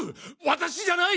私じゃない！！